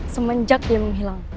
semenjak dia menghilang